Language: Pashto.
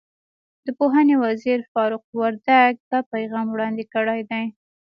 د پوهنې وزیر فاروق وردګ دا پیغام وړاندې کړی دی.